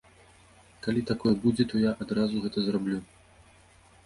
Калі такое будзе, то я адразу гэта зраблю.